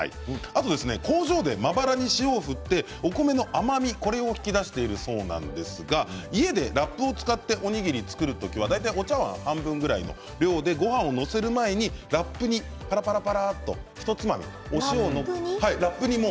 あと工場でまばらに塩を振ってお米の甘みを引き出しているそうなんですが家でラップを使っておにぎりを作る時は大体お茶わん半分ぐらいの量でごはんを載せる前にラップに、ぱらぱらとひとつまみお塩を載せてください。